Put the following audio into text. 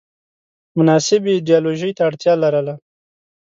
مناسبې ایدیالوژۍ ته اړتیا لرله